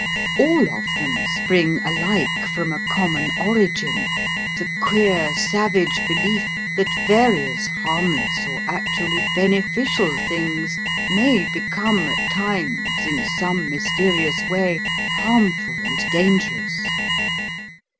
All of them spring alike from a common origin, the queer savage belief that various harmless or actually beneficial things may become at times in some mysterious way harmful and dangerous.